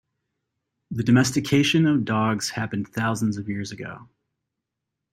The domestication of dogs happened thousands of years ago.